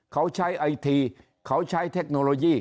เขาใช้ไอทีเขาใช้เทคโนโลยี